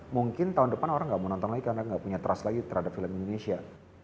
mungkin tahun depan orang nggak mau nonton lagi karena nggak punya trust lagi terhadap film indonesia